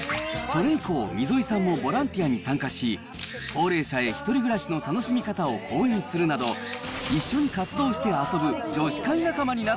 それ以降、溝井さんもボランティアに参加し、高齢者へ１人暮らしの楽しみ方を講演するなど、一緒に活動して遊